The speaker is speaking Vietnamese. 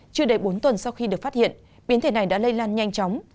chưa đầy bốn tuần sau khi được phát hiện biến thể này đã lây lan nhanh chóng